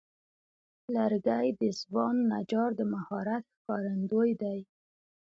لرګی د ځوان نجار د مهارت ښکارندوی دی.